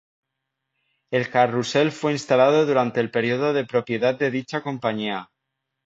El carrusel fue instalado durante el periodo de propiedad de dicha compañía.